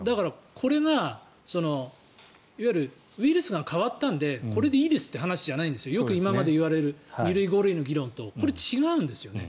これがいわゆるウイルスが変わったのでこれでいいですという話じゃないです、今までいわれている２類５類の議論とこれは違うんですよね。